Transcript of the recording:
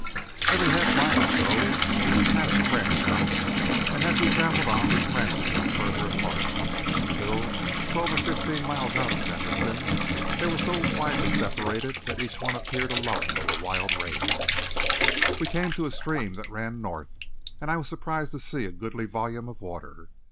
Every half mile or so we passed a ranch house, and as we traveled on these ranches grew further apart, until, twelve or fifteen miles out of Sanderson, they were so widely separated that each appeared alone on the wild range. We came to a stream that ran north and I was surprised to see a goodly volume of water.